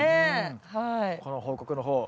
この報告の方